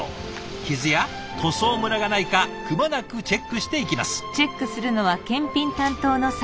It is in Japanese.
傷や塗装ムラがないかくまなくチェックしていきます。